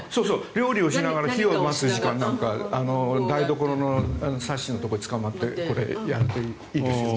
料理をしながら火を待つ時間なんか台所のサッシのところにつかまってこれをやるといいですよ。